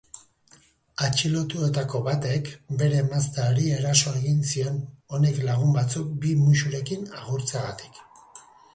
Atxilotutako batek bere emazteari eraso egin zion honek lagun batzuk bi musurekin agurtzeagatik.